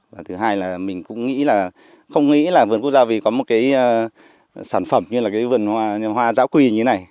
và thứ hai là mình cũng nghĩ là không nghĩ là vườn quốc gia vì có một cái sản phẩm như là cái vườn hoa giã quỳ như thế này